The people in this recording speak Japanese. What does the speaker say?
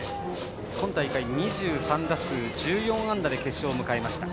今大会２３打数１４安打で決勝を迎えました。